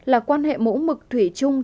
là quan hệ mỗ mực thủy chung